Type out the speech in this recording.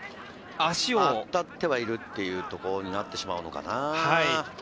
当たっているということになってしまうのかな？